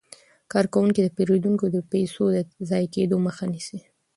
کارکوونکي د پیرودونکو د پيسو د ضایع کیدو مخه نیسي.